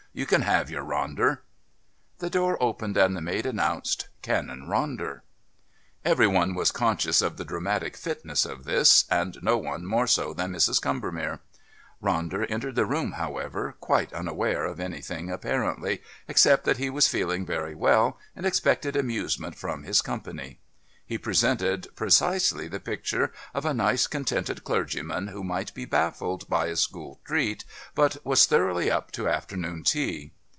You can have your Ronder." The door opened and the maid announced: "Canon Ronder." Every one was conscious of the dramatic fitness of this, and no one more so than Mrs. Combermere. Ronder entered the room, however, quite unaware of anything apparently, except that he was feeling very well and expected amusement from his company. He presented precisely the picture of a nice contented clergyman who might be baffled by a school treat but was thoroughly "up" to afternoon tea.